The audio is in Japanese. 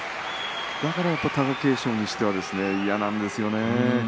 だから貴景勝にしては嫌なんですよね。